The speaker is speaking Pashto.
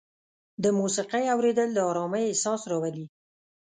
د موسیقۍ اورېدل د ارامۍ احساس راولي.